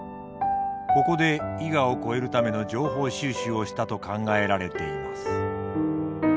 ここで伊賀を越えるための情報収集をしたと考えられています。